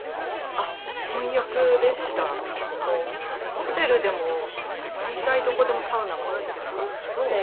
ホテルでも大体どこでもサウナが付いているんですけど。